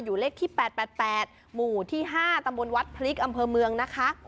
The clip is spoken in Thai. อยู่เลขที่แปดแปดแปดหมู่ที่ห้าตำบลวัดพลิกอำเภอเมืองนะคะ